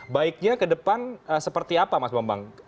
baiknya ke depan seperti apa mas bambang